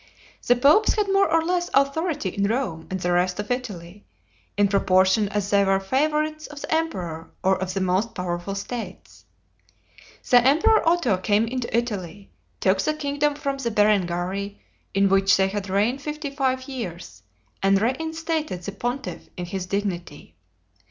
The popes had more or less authority in Rome and the rest of Italy, in proportion as they were favorites of the emperor or of the most powerful states. The Emperor Otho came into Italy, took the kingdom from the Berengarii, in which they had reigned fifty five years, and reinstated the pontiff in his dignity.